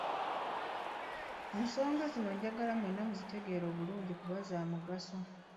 nsonga zino njagala mwenna muzitegeere bulungi kuba za mugaso.